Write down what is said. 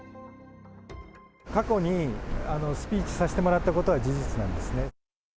過去に、スピーチさせてもらったことは事実なんですね。